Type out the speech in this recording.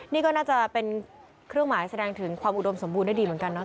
นี่ก็น่าจะเป็นเครื่องหมายแสดงถึงความอุดมสมบูรณได้ดีเหมือนกันเนาะ